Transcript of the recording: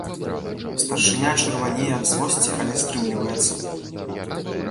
Старшыня чырванее ад злосці, але стрымліваецца.